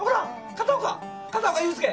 片岡悠介！